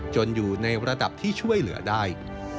อยู่ในระดับที่ช่วยเหลือได้